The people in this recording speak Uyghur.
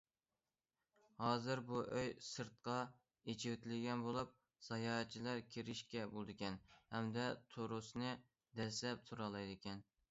ھازىر بۇ ئۆي سىرتقا ئېچىۋېتىلگەن بولۇپ، ساياھەتچىلەر كىرىشكە بولىدىكەن ھەمدە تورۇسنى دەسسەپ تۇرالايدىكەن.